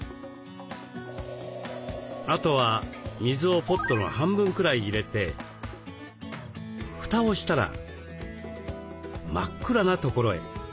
あとは水をポットの半分くらい入れて蓋をしたら真っ暗な所へ。